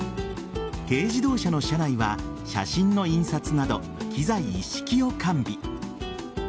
軽自動車の車内は写真の印刷など機材一式を完備。